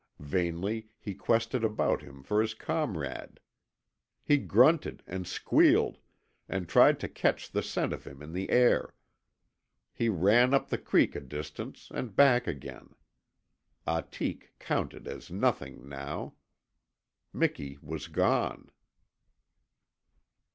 Vainly he quested about him for his comrade. He grunted and squealed, and tried to catch the scent of him in the air. He ran up the creek a distance, and back again. Ahtik counted as nothing now. Miki was gone.